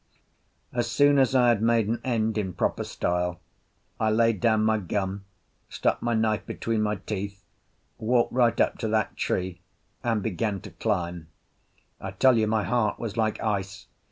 As soon as I had made an end in proper style, I laid down my gun, stuck my knife between my teeth, walked right up to that tree, and began to climb. I tell you my heart was like ice.